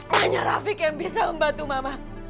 banyak rafiq yang bisa membantu mama